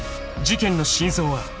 事件の真相は？］